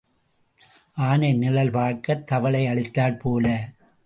ஆனை நிழல் பார்க்கத் தவளை அழித்தாற் போல.